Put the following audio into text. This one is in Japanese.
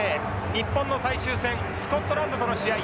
日本の最終戦スコットランドとの試合。